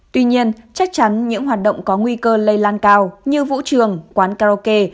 tuy nhiên chắc chắn những hoạt động có nguy cơ lây lan cao như vũ trường quán karaoke